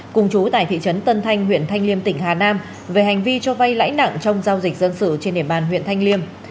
cùng chú tại thị trấn tân thanh huyện thanh liêm tỉnh hà nam về hành vi cho vay lãi nặng trong giao dịch dân sự trên địa bàn huyện thanh liêm